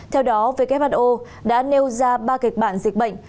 theo đó who đã nêu ra ba kịch bản dịch bệnh